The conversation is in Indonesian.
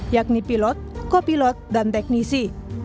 yakni pilot kopilot dan teknisi